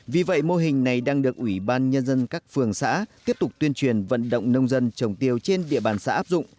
vì vậy mô hình này đang được ủy ban nhân dân các phường xã tiếp tục tuyên truyền vận động nông dân trồng tiêu trên địa bàn xã áp dụng